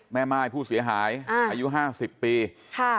แม่ม่ายผู้เสียหายอายุ๕๐ปี